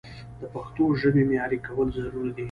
د پښتو ژبې معیاري کول ضروري دي.